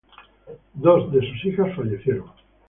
Dos de sus hijas fallecieron.